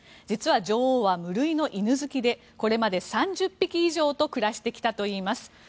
実は女王は無類の犬好きでこれまで３０匹以上と暮らしてきたといいます。